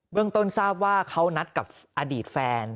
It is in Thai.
เรื่องต้นทราบว่าเขานัดกับอดีตแฟน